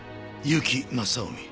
結城正臣。